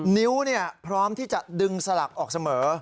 นิ้วพร้อมที่จะดึงสลักออกเสมอ